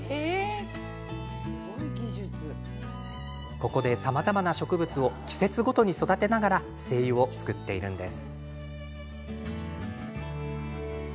ここで、さまざまな植物を季節ごとに育てながら精油を作っているんです。